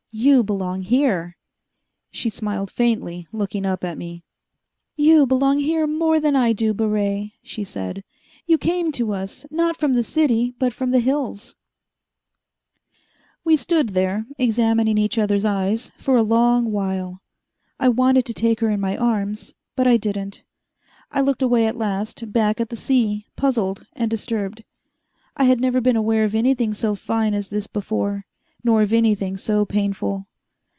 You belong here." She smiled faintly, looking up at me. "You belong here more than I do, Baret," she said. "You came to us, not from the city, but from the hills." We stood there, examining each other's eyes, for a long while. I wanted to take her in my arms, but I didn't. I looked away at last, back at the sea, puzzled and disturbed. I had never been aware of anything so fine as this before, nor of anything so painful.